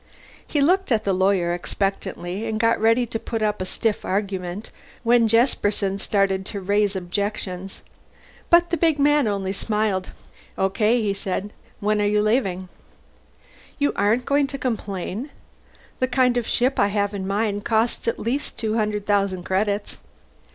He looked at the lawyer expectantly and got ready to put up a stiff argument when Jesperson started to raise objections. But the big man only smiled. "Okay," he said. "When are you leaving?" "You aren't going to complain? The kind of ship I have in mind costs at least two hundred thousand credits."